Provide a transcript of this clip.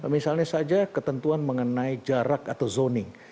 misalnya saja ketentuan mengenai jarak atau zoning